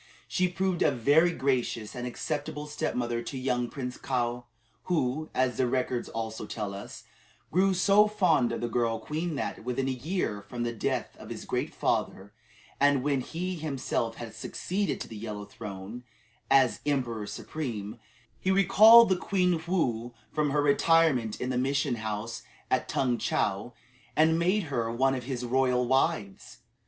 She proved a very gracious and acceptable stepmother to young Prince Kaou, who, as the records also tell us, grew so fond of the girl queen that, within a year from the death of his great father, and when he himself had succeeded to the Yellow Throne, as Emperor Supreme, he recalled the Queen Woo from her retirement in the mission house at Tung Chow and made her one of his royal wives.